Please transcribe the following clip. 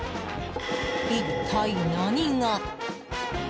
一体何が。